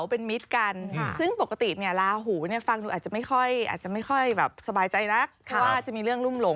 ก็คือเลข๘นี่คือลาหู